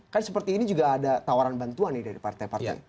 kan seperti ini juga ada tawaran bantuan nih dari partai partai